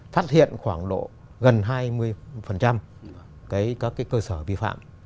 phát hiện khoảng độ gần hai mươi các cơ sở vi phạm